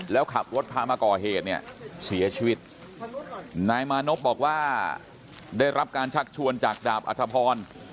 แล้วขับรถพามาก่อเหตุเนี่ยเสียชีวิตนายมานพบอกว่าได้รับการชักชวนจากดาบอัธพร